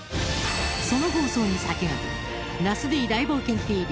その放送に先駆け『ナスＤ大冒険ＴＶ』